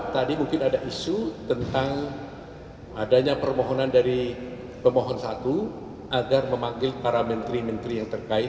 tadi mungkin ada isu tentang adanya permohonan dari pemohon satu agar memanggil para menteri menteri yang terkait